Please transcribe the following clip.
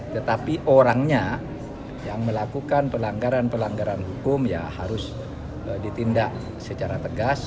tetapi orangnya yang melakukan pelanggaran pelanggaran hukum ya harus ditindak secara tegas